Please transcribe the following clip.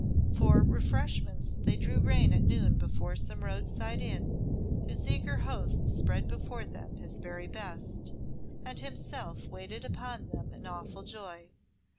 For refreshments they drew rein at noon before some roadside inn whose eager host spread before them his very best, and himself waited upon them in awful joy.